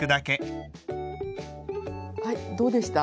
はいどうでした？